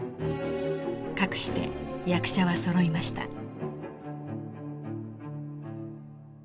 かくして役者はそろいました。